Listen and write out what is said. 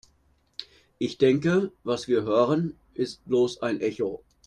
Ich denke, was wir hören, ist bloß ein Echo.